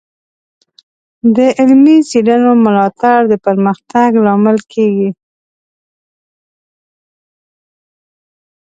د علمي څیړنو ملاتړ د پرمختګ لامل کیږي.